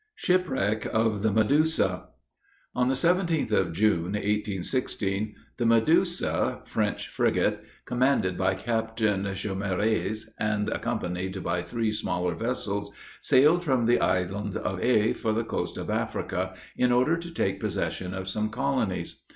SHIPWRECK OF THE MEDUSA. On the 17th of June, 1816, the Medusa, French frigate, commanded by Captain Chaumareys, and accompanied by three smaller vessels, sailed from the island of Aix, for the coast of Africa, in order to take possession of some colonies.